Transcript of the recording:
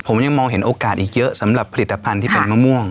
ผมยังมองเห็นโอกาสอีกเยอะสำหรับผลิตภัณฑ์ที่เป็นมะม่วง